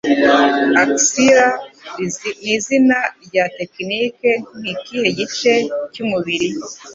Axilla nizina rya tekinike nikihe gice cyumubiri?